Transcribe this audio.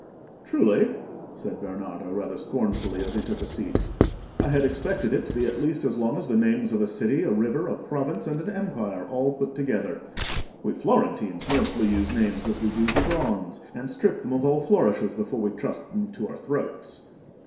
"Truly?" said Bernardo, rather scornfully, as he took a seat; "I had expected it to be at least as long as the names of a city, a river, a province, and an empire all put together. We Florentines mostly use names as we do prawns, and strip them of all flourishes before we trust them to our throats."